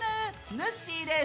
ぬっしーです！